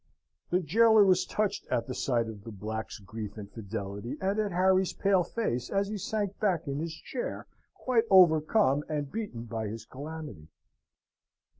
The jailor was touched at the sight of the black's grief and fidelity, and at Harry's pale face as he sank back in his chair quite overcome and beaten by his calamity.